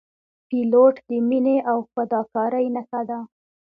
پیلوټ د مینې او فداکارۍ نښه ده.